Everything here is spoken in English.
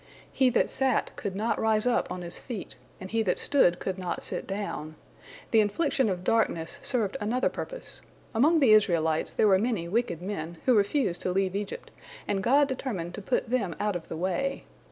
He that sat could not rise up on his feet, and he that stood could not sit down. The infliction of darkness served another purpose. Among the Israelites there were many wicked men, who refused to leave Egypt, and God determined to put them out of the way.